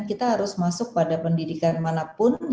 kita harus masuk pada pendidikan manapun